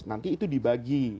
nanti itu dibagi